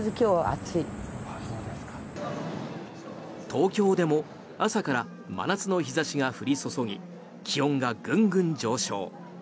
東京でも朝から真夏の日差しが降り注ぎ気温がぐんぐん上昇。